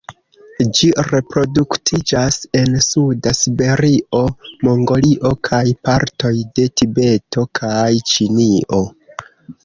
Ĝi reproduktiĝas en suda Siberio, Mongolio kaj partoj de Tibeto kaj Ĉinio.